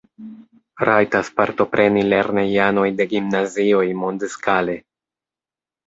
Rajtas partopreni lernejanoj de gimnazioj mondskale.